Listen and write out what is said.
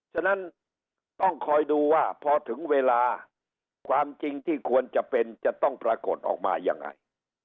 ฉะนั้นต้องคอยดูว่าพอถึงเวลาความจริงที่ควรจะเป็นจะต้องปรากฏออกมายังไง